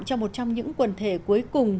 trong một trong những quần thể cuối cùng